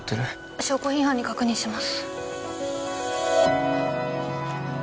証拠品班に確認します